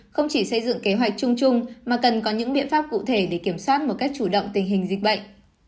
không chỉ xây dựng kế hoạch chung chung mà cần có những biện pháp cụ thể để kiểm soát một cách chủ động tình hình dịch bệnh